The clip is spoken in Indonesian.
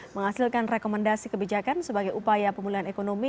menghasilkan rekomendasi kebijakan sebagai upaya pemulihan ekonomi